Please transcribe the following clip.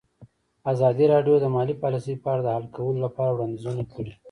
ازادي راډیو د مالي پالیسي په اړه د حل کولو لپاره وړاندیزونه کړي.